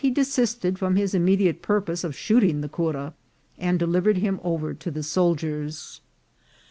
207 desisted from his immediate purpose of shooting the cura, and delivered him over to the soldiers.